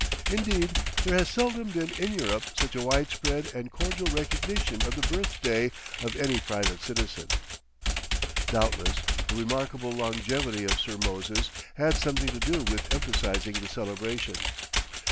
Indeed, there has seldom been in Europe such a widespread and cordial recognition of the birthday of any private citizen. Doubtless, the remarkable longevity of Sir Moses had something to do with emphasizing the celebration.